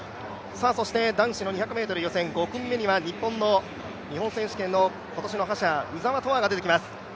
そして男子の２００ｍ予選５組目には日本の日本選手権、今年の覇者鵜澤飛羽が出てきます。